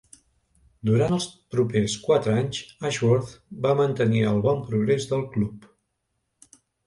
Durant els propers quatre anys Ashworth va mantenir el bon progrés del club.